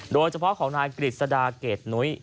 โดยเฉพาะของนายกฤษดาเกรดนุ้ย